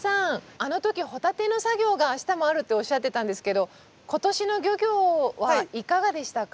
あの時ホタテの作業があしたもあるっておっしゃってたんですけど今年の漁業はいかがでしたか？